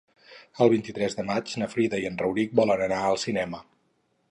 El vint-i-tres de maig na Frida i en Rauric volen anar al cinema.